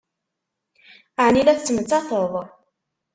Ɛni la tettmettated?